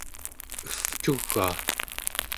evcugaa